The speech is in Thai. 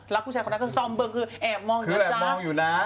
รักผู้ชายคนนั้นอ้อคือส่องเบิ้งแอบมองอยู่นะจ๊ะ